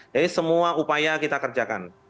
jadi semua upaya kita kerjakan